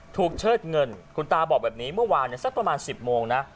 เชิดเงินคุณตาบอกแบบนี้เมื่อวานสักประมาณ๑๐โมงนะ